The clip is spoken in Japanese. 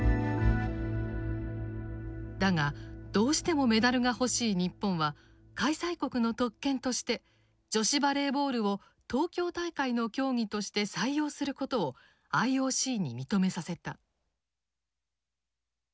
だがどうしてもメダルが欲しい日本は開催国の特権として女子バレーボールを東京大会の競技として採用することをＩＯＣに認めさせた。